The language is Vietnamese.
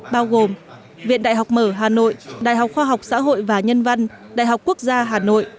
bao gồm viện đại học mở hà nội đại học khoa học xã hội và nhân văn đại học quốc gia hà nội